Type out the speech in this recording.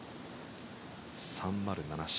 ３０７Ｃ。